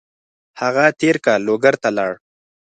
هغه تېر کال لوګر ته لاړ.